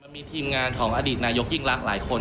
มีทีมงานของอดีตนายกยิ่งรักหลายคน